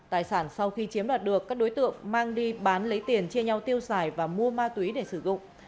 tài sản sau khi chiếm đoạt được các đối tượng mang đi bán lấy tiền chia nhau tiêu xài và mua ma túy để sử dụng